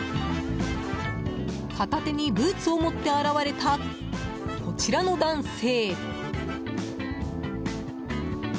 片手にブーツを持って現れたこちらの男性。